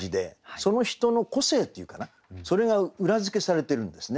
その人の個性っていうかなそれが裏付けされてるんですね。